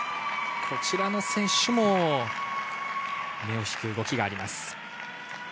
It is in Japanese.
こちらの選手も目を引く動きがあります。